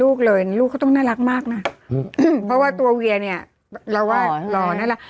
ลูกเลยลูกก็ต้องน่ารักมากนะเพราะว่าตัวเวียเนี่ยเราก็รอนั่นแหละ